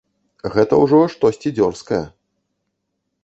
Гэта ўжо штосьці дзёрзкае.